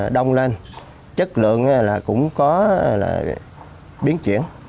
đông lên chất lượng là cũng có là biến chuyển